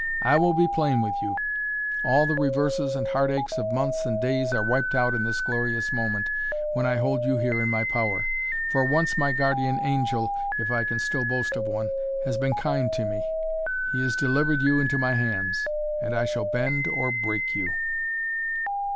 I will be plain with you. All the reverses and heartaches of months and days are wiped out in this glorious moment when I hold you here in my power. For once my guardian angel, if I can still boast of one, has been kind to me. He has delivered you into my hands and I shall bend or break you!"